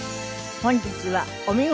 本日は「お見事！